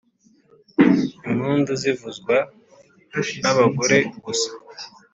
impundu zivuzwa nabagore gusa